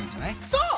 そう！